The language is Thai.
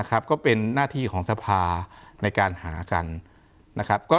ก็เป็นหน้าที่ของสภาในการหากันนะครับ